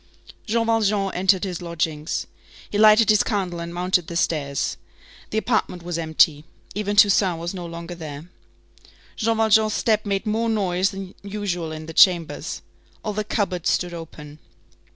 Jean Valjean entered his lodgings. He lighted his candle and mounted the stairs. The apartment was empty. Even Toussaint was no longer there. Jean Valjean's step made more noise than usual in the chambers. All the cupboards stood open.